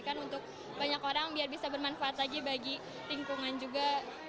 makan untuk banyak orang biar bisa bermanfaat lagi bagi lingkungan juga